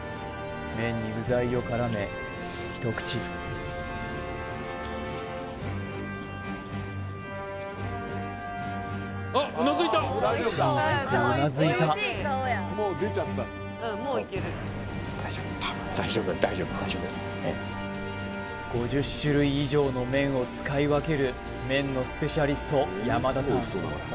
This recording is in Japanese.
麺に具材をからめ一口小さくうなずいた大丈夫５０種類以上の麺を使い分ける麺のスペシャリスト山田さん